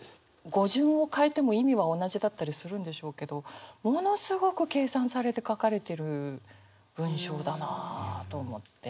語順を変えても意味は同じだったりするんでしょうけどものすごく計算されて書かれてる文章だなあと思って。